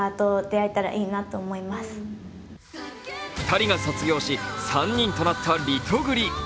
２人が卒業し３人となったリトグリ。